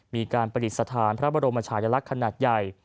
มีการประดิษฐานพระบรมชายลักษณ์ขนาดใหญ่